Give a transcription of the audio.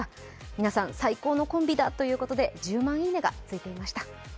皆さん、最高のコンビだということで１０万「いいね」がついてました。